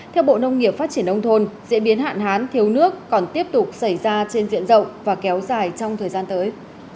theo bộ nông nghiệp phát triển nông thôn diễn biến hạn hán thiếu nước còn tiếp tục xảy ra trên diện rộng và kéo dài trong thời gian tới